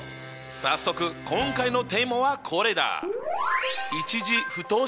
早速今回のテーマはこれだ。